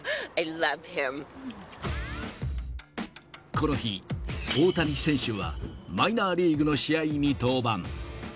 この日、大谷選手はマイナーリーグの試合に登板。